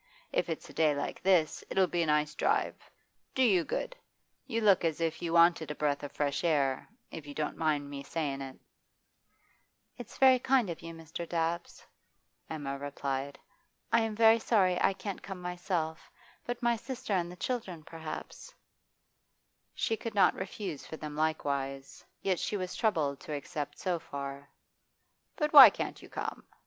If it's a day like this, it'll be a nice drive do you good. You look as if you wanted a breath of fresh air, if you don't mind me sayin' it.' 'It's very kind of you, Mr. Dabbs,' Emma replied. 'I am very sorry I can't come myself, but my sister and the children perhaps ' She could not refuse for them likewise, yet she was troubled to accept so far. 'But why can't you come?